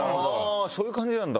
ああそういう感じなんだ。